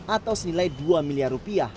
atau senilai dua miliar rupiah